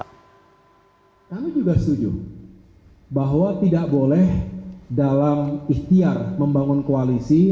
kami juga setuju bahwa tidak boleh dalam ikhtiar membangun koalisi